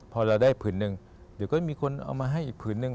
พอเราได้ผืนหนึ่งเดี๋ยวก็มีคนเอามาให้อีกผืนนึง